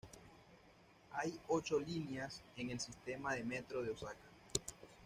Hay ocho líneas en el sistema de metro de Osaka.